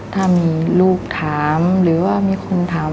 ถ้ามีลูกถามหรือว่ามีคนถาม